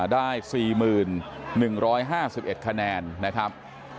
ได้๔๑๕๑คะแนนนะครับ